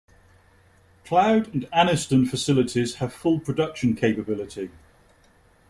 Cloud, and Anniston facilities have full production capability.